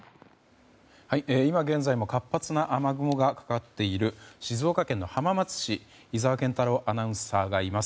今現在も活発な雨雲がかかっている静岡県浜松市に井澤健太朗アナウンサーがいます。